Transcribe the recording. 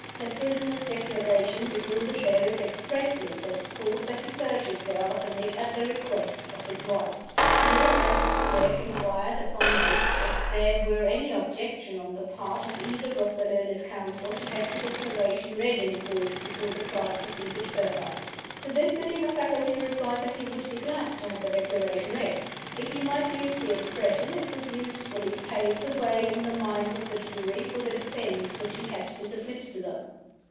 The prisoner's Declaration before the Sheriff expressly sets forth that he purchased the arsenic at the request of his wife." The Lord Justice Clerk inquired upon this if there were any objection on the part of either of the learned counsel to have the Declaration read in Court before the Trial proceeded further. To this the Dean of Faculty replied that he would be glad to have the Declaration read. If he might use the expression, it would usefully pave the way in the minds of the jury for the defense which he had to submit to them.